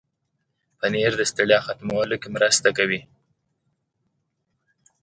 پنېر د ستړیا ختمولو کې مرسته کوي.